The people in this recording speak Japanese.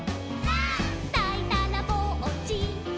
「」「だいだらぼっち」「」